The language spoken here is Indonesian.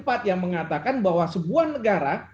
pasal dua ayat empat yang mengatakan bahwa sebuah negara